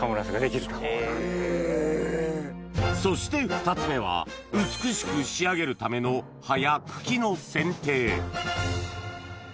そして２つ目は美しく仕上げるためのトゲ？